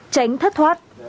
tránh thất thoát